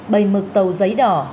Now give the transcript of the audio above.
bày mực tàu giấy đỏ